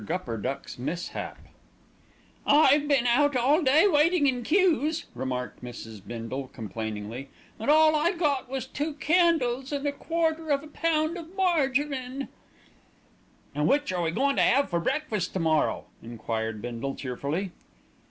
GUPPERDUCK'S MISHAP "I've been out all day waiting in queues," remarked Mrs. Bindle complainingly, "and all I got was two candles and a quarter of a pound of marjarine." "An' which are we goin' to 'ave for breakfast to morrow?" enquired Bindle cheerfully.